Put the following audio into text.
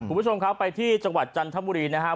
คุณผู้ชมครับไปที่จังหวัดจันทบุรีนะครับ